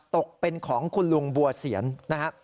ตกเป็นของคุณลุงบัวเสียนนะฮะ